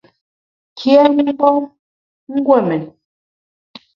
Kyém mgbom !guon mén.